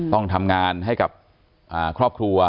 ต้องทำงานให้กับครอบครัว